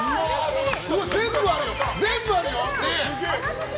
うわ、全部あるよ！